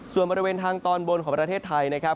ส่วนบริเวณทางตอนบนของประเทศไทยนะครับ